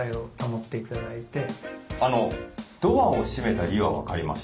ドアを閉めた理由は分かりました。